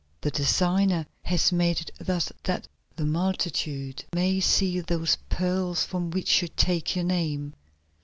"The designer has made it thus that the multitude may see those pearls from which you take your name."